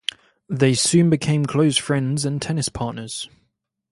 They soon became close friends and tennis partners.